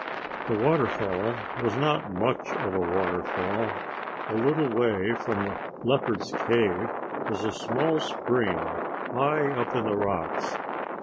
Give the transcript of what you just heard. The waterfall was not much of a waterfall. A little way from the leopard's cave was a small spring high up in the rocks.